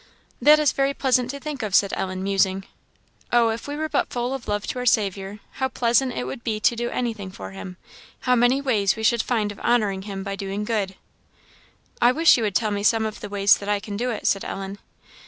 "That is very pleasant to think of," said Ellen, musing. "Oh, if we were but full of love to our Saviour, how pleasant it would be to do anything for him! how many ways we should find of honouring him by doing good." "I wish you would tell me some of the ways that I can do it," said Ellen.